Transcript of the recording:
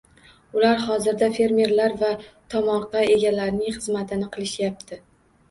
Ular hozirda fermerlar va tomorqa egalarining xizmatini qilishyapti.